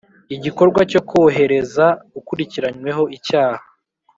igikorwa cyo kohereza ukurikiranyweho icyaha